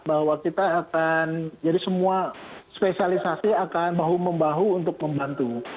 bahwa kita akan jadi semua spesialisasi akan bahu membahu untuk membantu